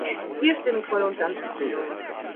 Hier stimme ich voll und ganz zu.